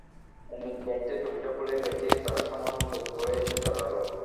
অমিত গাড়িতে টুপিটা খুলে রেখে তার সামনে চুপ করে এসে দাঁড়াল।